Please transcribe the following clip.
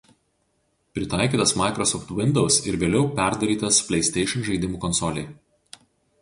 Pritaikytas Microsoft Windows ir vėliau perdarytas PlayStation žaidimų konsolei.